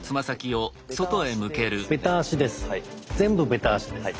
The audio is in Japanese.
ベタ足ですね？